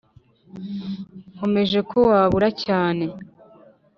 Nkomeje ko wabura cyane